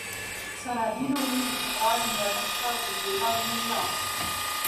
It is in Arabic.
سَرَابِيلُهُمْ مِنْ قَطِرَانٍ وَتَغْشَى وُجُوهَهُمُ النَّارُ